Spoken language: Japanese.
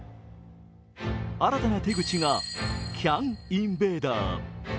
新たな手口がＣＡＮインベーダー。